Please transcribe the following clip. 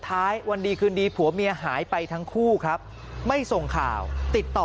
ท้ายวันดีคืนดีผัวเมียหายไปทั้งคู่ครับไม่ส่งข่าวติดต่อ